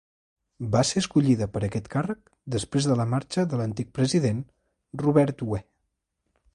Va ser escollida per aquest càrrec després de la marxa de l'antic president Robert Hue.